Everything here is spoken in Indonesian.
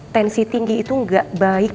tensi tinggi itu nggak baik